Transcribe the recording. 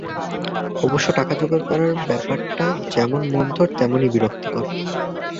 অবশ্য টাকা যোগাড় করার ব্যাপারটা যেমন মন্থর, তেমনই বিরক্তিকর।